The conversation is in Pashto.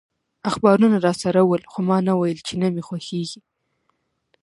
اخبارونه راسره ول، خو ما نه ویل چي نه مي خوښیږي.